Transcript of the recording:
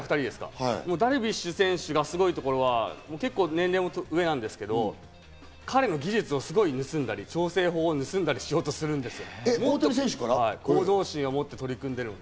ダルビッシュ選手のすごいところは結構年齢も上なんですけど、彼の技術を盗んだり、調整方法を盗んだりしようとするんですよ。